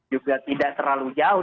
juga tidak terlalu jauh